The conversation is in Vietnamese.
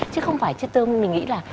chứ không phải chết tương mình nghĩ là